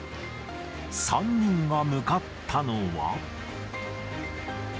３人が向かったのは。